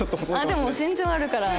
でも身長あるから。